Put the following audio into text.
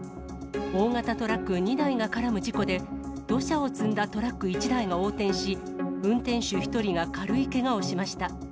大型トラック２台が絡む事故で、土砂を積んだトラック１台が横転し、運転手１人が軽いけがをしました。